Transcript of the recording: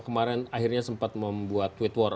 kemarin akhirnya sempat membuat twitwar